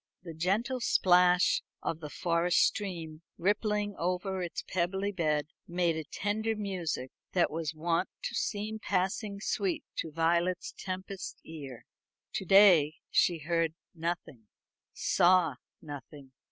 The gentle plash of the forest stream, rippling over its pebbly bed, made a tender music that was wont to seem passing sweet to Violet Tempest's ear. To day she heard nothing, saw nothing.